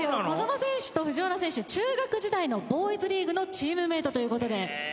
小園選手と藤原選手中学時代のボーイズリーグのチームメイトという事で。